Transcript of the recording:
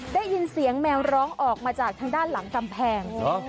ได้ยินเสียงแมวร้องออกมาจากทางด้านหลังกำแพง